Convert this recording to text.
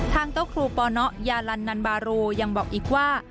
เจ้าครูปนยาลันนันบารูยังบอกอีกว่า